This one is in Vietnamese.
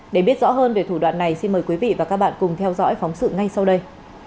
để biết rõ hơn về thủ đoạn này xin mời quý vị và các bạn cùng theo dõi phóng sự ngay sau đây